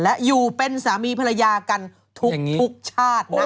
และอยู่เป็นสามีภรรยากันทุกชาตินะ